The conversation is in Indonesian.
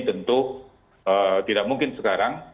tentu tidak mungkin sekarang